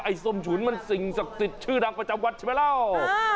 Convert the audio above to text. ส้มฉุนมันสิ่งศักดิ์สิทธิ์ชื่อดังประจำวัดใช่ไหมเล่า